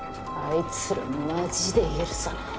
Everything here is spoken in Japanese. あいつらマジで許さない。